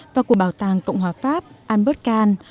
và của bảo tàng cộng hòa pháp albert kahn